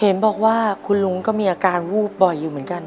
เห็นบอกว่าคุณลุงก็มีอาการวูบบ่อยอยู่เหมือนกัน